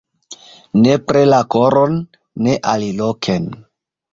Nepre la koron, ne aliloken!